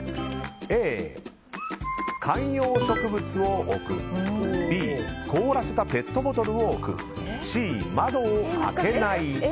Ａ、観葉植物を置くＢ、凍らせたペットボトルを置くＣ、窓を開けない。